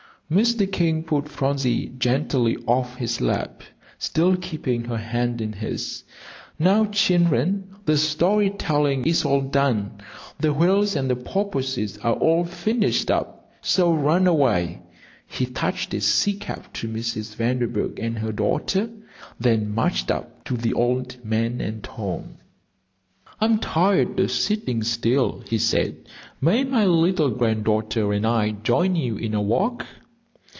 Mr. King put Phronsie gently off from his lap, still keeping her hand in his. "Now, children, the story telling is all done, the whales and porpoises are all finished up so run away." He touched his sea cap to Mrs. Vanderburgh and her daughter, then marched up to the old man and Tom. "I am tired of sitting still," he said. "May my little granddaughter and I join you in a walk?"